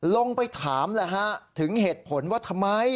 ลงไปถามแล้วฮะถึงเหตุผลว่าทำไม